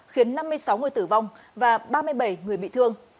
khiến năm mươi sáu người tử vong và ba mươi bảy người bị thương